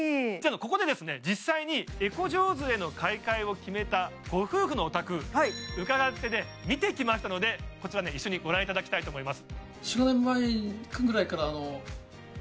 ここで実際にエコジョーズへの買い替えを決めたご夫婦のお宅伺って見てきましたのでこちら一緒にご覧いただきたいと思います